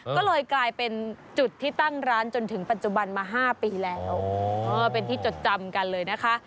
ก็เลยกลายเป็นจุดที่ตั้งร้านจนถึงปัจจุบันมา๕ปีแล้วเป็นที่จดจำกันเลยนะคะ